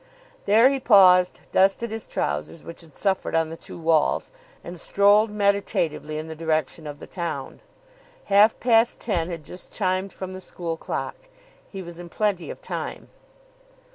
There he paused, dusted his trousers, which had suffered on the two walls, and strolled meditatively in the direction of the town. Half past ten had just chimed from the school clock. He was in plenty of time.